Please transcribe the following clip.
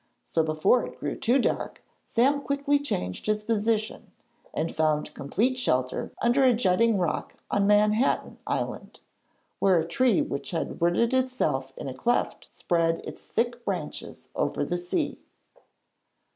So before it grew too dark, Sam quickly changed his position and found complete shelter under a jutting rock on Manhattan Island, where a tree which had rooted itself in a cleft spread its thick branches over the sea.